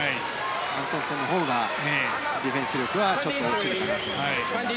アントンセンのほうがディフェンス力はちょっと落ちるかなという感じです。